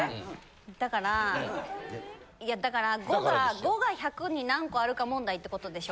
だからいやだから５が１００に何個あるか問題ってことでしょ？